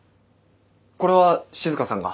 これは静さんが？